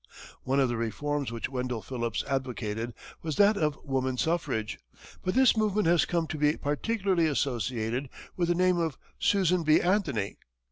One of the reforms which Wendell Phillips advocated was that of woman suffrage, but this movement has come to be particularly associated with the name of Susan B. Anthony.